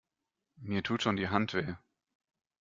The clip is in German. Mir tut schon die Hand weh.